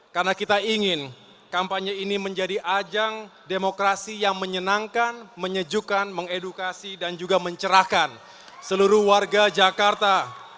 karena kita ingin kampanye ini menjadi ajang demokrasi yang menyenangkan menyejukkan mengedukasi dan juga mencerahkan seluruh warga jakarta